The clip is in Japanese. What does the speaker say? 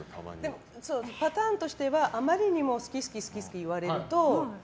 でもパターンとしてはあまりにも好き好き言われると。